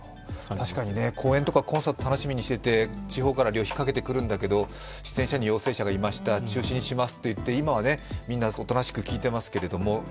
確かに公演とかコンサート楽しみにしていて地方から旅費かけて来るんだけれども、出演者に陽性者がいました、注視にしますと、今はみんな、おとなしく聞いてますけど。